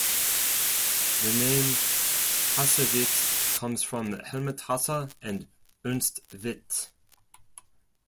The name "Hasse-Witt" comes from Helmut Hasse and Ernst Witt.